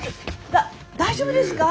だ大丈夫ですか？